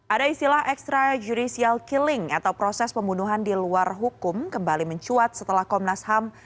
ada istilah extrajudicial killing atau proses pembunuhan di luar hukum kembali mencuat setelah komnas ham